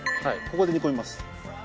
ここで煮込みます。